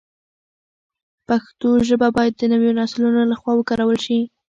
پښتو ژبه باید د نویو نسلونو له خوا وکارول شي.